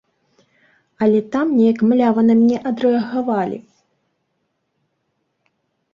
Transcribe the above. Але там неяк млява на мяне адрэагавалі.